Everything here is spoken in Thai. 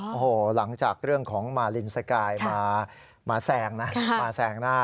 โอ้โฮหลังจากเรื่องของมารินสกายมาแทรงนะ